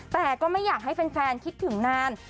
แต่ก็ไม่อยากให้แฟนคิดถึงนาน